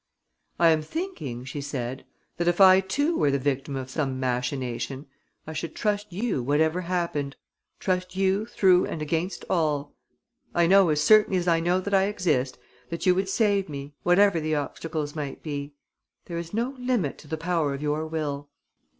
"I am thinking," she said, "that if I too were the victim of some machination, I should trust you whatever happened, trust you through and against all. I know, as certainly as I know that I exist, that you would save me, whatever the obstacles might be. There is no limit to the power of your will."